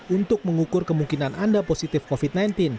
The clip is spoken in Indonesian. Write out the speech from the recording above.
untuk mengukur kemungkinan anda positif covid sembilan belas